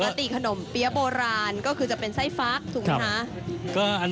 ติขนมเปี๊ยะโบราณก็คือจะเป็นไส้ฟักถูกไหมคะ